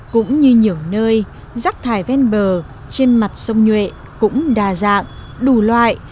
cũng như nhiều nơi rác thải ven bờ trên mặt sông nhuệ cũng đa dạng đủ loại